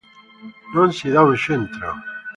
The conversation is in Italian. Non si dà un centro.